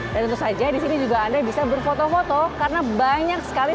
dan tentu saja di sini juga anda bisa berfoto foto karena banyak sekali